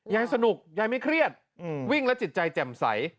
ยายสนุกยายไม่เครียดวิ่งแล้วจิตใจแจ่มใส